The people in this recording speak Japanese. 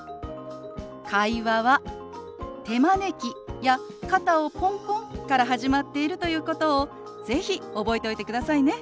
会話は手招きや肩をポンポンから始まっているということを是非覚えておいてくださいね。